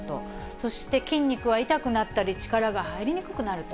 そして筋肉は、痛くなったり、力が入りにくくなると。